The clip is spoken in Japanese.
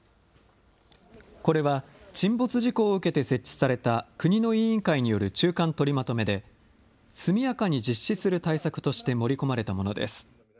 これは沈没事故を受けて設置された国の委員会による中間取りまとめで、速やかに実施する対策として盛り込まれたものです。